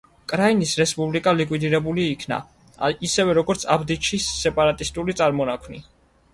კრაინის რესპუბლიკა ლიკვიდირებული იქნა, ისევე როგორც აბდიჩის სეპარატისტული წარმონაქმნი.